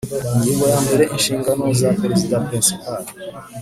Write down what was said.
Ingingo ya mbere Inshingano zaperezida Principal